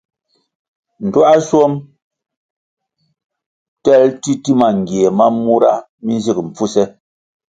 Ndtuāschwom tel titima ngie ma mura mi nzig mpfuse.